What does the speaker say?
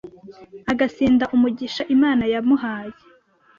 agasinda umugisha Imana yamuhaye